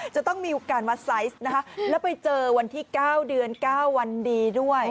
จะต้องมีโอกาสมาไซส์นะคะแล้วไปเจอวันที่๙เดือน๙วันดีด้วย